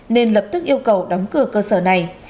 nên lập tức yêu cầu đóng cửa cơ sở này